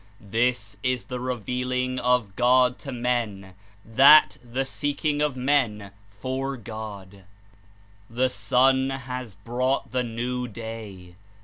This is the re vealing of God to men; that, the seeking of men for God. The Sun has brought the New Day.